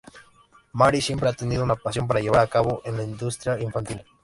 Mary siempre ha tenido una pasión para llevar a cabo en la industria infantil.